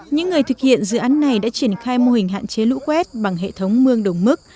những người thực hiện dự án này đã triển khai mô hình hạn chế lũ quét bằng hệ thống mương đồng mức